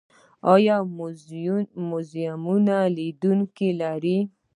آیا موزیمونه لیدونکي لري؟